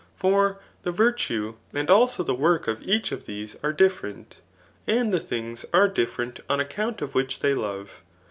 For the virtue and also the work of each of these are diflferent ; and the things are diflferent on account of which they love.